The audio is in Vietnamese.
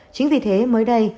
chính vì thế mới đây